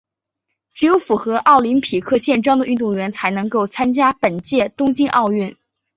只有符合奥林匹克宪章的运动员才能够参加本届东京奥运。